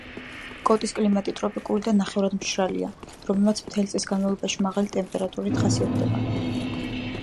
კოტის კლიმატი ტროპიკული და ნახევრადმშრალია, რომელიც მთელი წლის განმავლობაში მაღალი ტემპერატურით ხასიათდება.